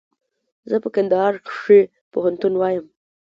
زه په کندهار کښي پوهنتون وایم.